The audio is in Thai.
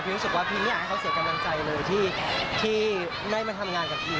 รู้สึกว่าพี่ไม่อยากให้เขาเสียกำลังใจเลยที่ไม่มาทำงานกับพี